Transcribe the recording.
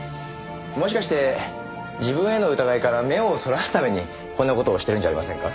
もしかして自分への疑いから目をそらすためにこんな事をしてるんじゃありませんか？